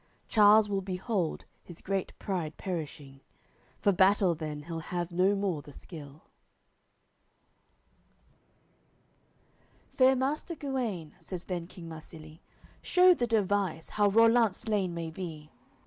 Charles will behold his great pride perishing, For battle then he'll have no more the skill. AOI. XLIV Fair Master Guene," says then King Marsilie, "Shew the device, how Rollant slain may be."